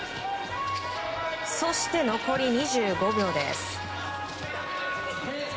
そして、残り２５秒です。